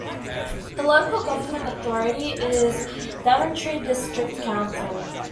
The local government authority is Daventry District Council.